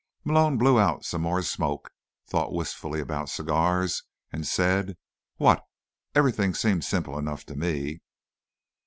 Malone blew out some more smoke, thought wistfully about cigars, and said: "What? Everything seems simple enough to me."